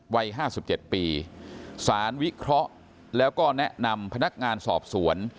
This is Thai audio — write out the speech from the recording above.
วัย๕๗ปีสารวิเคราะห์แล้วก็แนะนำพนักงานสอบสวน